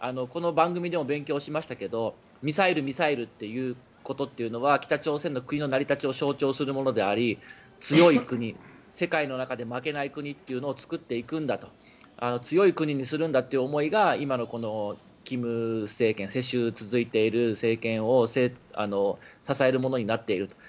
この番組でも勉強しましたがミサイル、ミサイルと言うことっていうのは北朝鮮の国の成り立ちを象徴するものであり強い国世界の中で負けない国というのを作っていくんだと強い国にするんだっていう思いが今のこの金政権世襲が続いている政権を支えるものになっている。